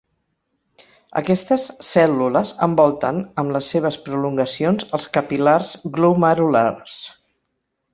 Aquestes cèl·lules envolten amb les seves prolongacions els capil·lars glomerulars.